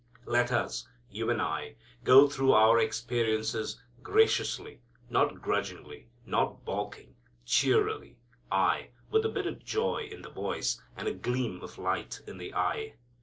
Let us, you and I, go through our experiences graciously, not grudgingly, not balking, cheerily, aye, with a bit of joy in the voice and a gleam of light in the eye.